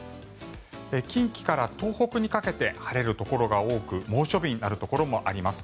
近畿から東北にかけて晴れるところが多く猛暑日になるところもあります。